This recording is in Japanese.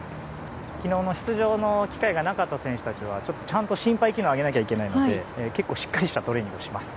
昨日出場の機会がなかった選手たちは心肺機能を上げなければいけないので結構しっかりしたトレーニングします。